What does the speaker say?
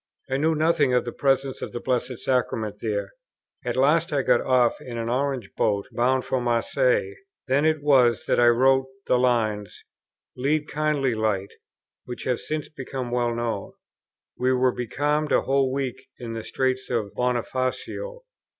I knew nothing of the Presence of the Blessed Sacrament there. At last I got off in an orange boat, bound for Marseilles. Then it was that I wrote the lines, "Lead, kindly light," which have since become well known. We were becalmed a whole week in the Straits of Bonifacio.